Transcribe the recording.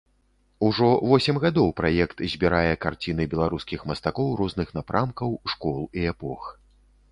Ужо восем гадоў праект збірае карціны беларускіх мастакоў розных напрамкаў, школ і эпох.